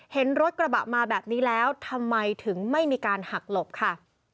เห็นรถกระบะมาแบบนี้แล้วทำไมถึงไม่มีการหักหลบค่ะ